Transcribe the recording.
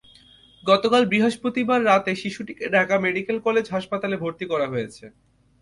গতকাল বৃহস্পতিবার রাতে শিশুটিকে ঢাকা মেডিকেল কলেজ হাসপাতালে ভর্তি করা হয়েছে।